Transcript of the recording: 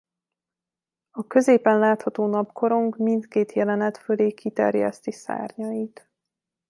A középen látható napkorong mindkét jelenet fölé kiterjeszti szárnyait.